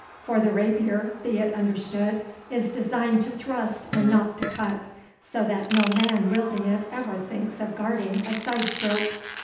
For the rapier, be it understood, is designed to thrust and not to cut, so that no man wielding it ever thinks of guarding a side stroke.